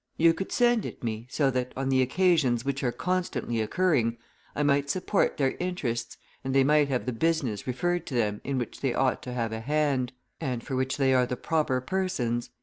You could send it me, so that, on the occasions which are constantly occurring, I might support their interests, and they might have the business referred to them in which they ought to have a hand, and for which they are the proper persons.